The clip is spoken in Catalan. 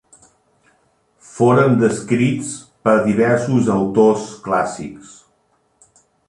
Foren descrits per diversos autors clàssics.